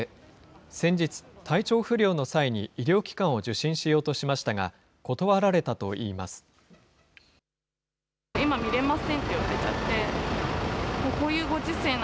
先日、体調不良の際に医療機関を受診しようとしましたが、断られたといいます。